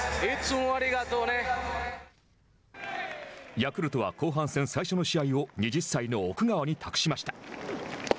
ヤクルトは後半戦最初の試合を２０歳の奥川に託しました。